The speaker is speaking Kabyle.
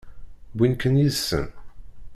Wwin-ken yid-sen?